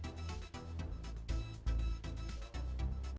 terima kasih pak iwan